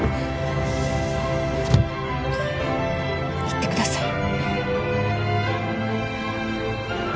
行ってください。